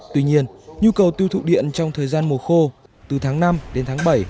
tuy nhiên nhu cầu tiêu thụ điện trong thời gian mùa khô từ tháng năm đến tháng bảy